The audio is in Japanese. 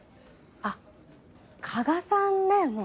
あっ加賀さんだよね？